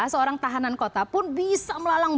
seorang tahanan kota pun bisa melalang